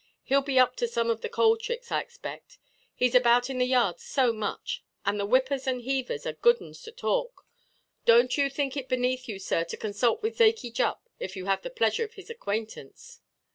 Heʼll be up to some of the coal tricks, I expect, heʼs about in the yards so much; and the whippers and heavers are good uns to talk. Donʼt you think it beneath you, sir, to consult with Zakey Jupp, if you have the pleasure of his acquaintance."